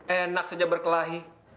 enak saja berkelahi